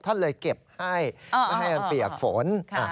ท่านเลยเก็บให้ไม่ให้มันเปียกฝน